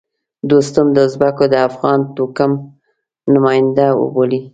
دوستم د ازبکو د افغان توکم نماینده وبولي.